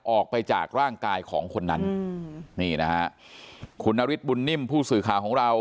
ออกไปจากร่างกายของคนนั้นอืมนี่นะฮะคุณนฤทธบุญนิ่มผู้สื่อข่าวของเรา